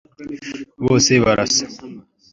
bose barasa